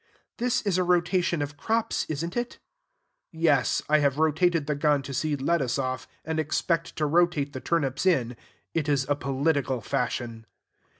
"This is a rotation of crops, is n't it?" "Yes: I have rotated the gone to seed lettuce off, and expect to rotate the turnips in; it is a political fashion."